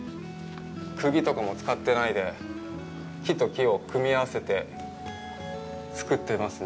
くぎとかも使ってないで、木と木を組み合わせて造ってますね。